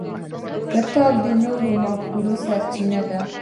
کتاب د نوو مفکورو سرچینه ده.